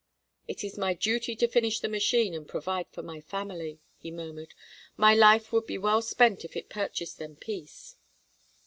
"It is my duty to finish the machine and provide for my family," he murmured. "My life would be well spent if it purchased them peace."